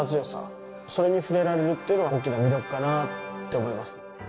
それに触れられるっていうのが大きな魅力かなって思います。